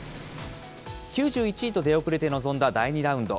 ９１位と出遅れて臨んだ第２ラウンド。